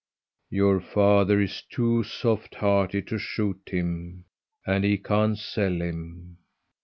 Your father is too soft hearted to shoot him and he can't sell him.